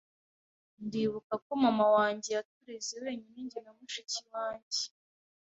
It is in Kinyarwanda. ndibuka ko mama wanjye yatureze wenyine njye na mushiki wanjye,